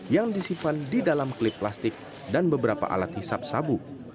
yang disimpan di dalam klip plastik dan beberapa alat hisap sabu